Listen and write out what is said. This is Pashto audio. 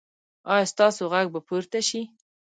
ایا ستاسو غږ به پورته شي؟